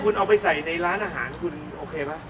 คุณเอาไปใส่ในร้านอาหารคุณโอเคป่ะ